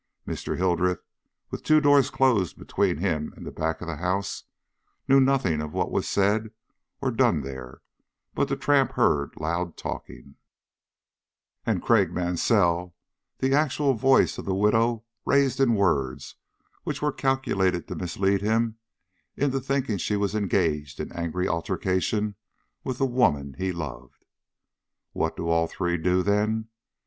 Mr. Hildreth, with two doors closed between him and the back of the house, knew nothing of what was said or done there, but the tramp heard loud talking, and Craik Mansell the actual voice of the widow raised in words which were calculated to mislead him into thinking she was engaged in angry altercation with the woman he loved. What do all three do, then?